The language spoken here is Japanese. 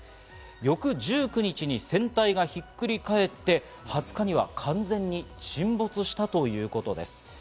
翌１９日に船体がひっくり返って、２０日には完全に沈没したということです。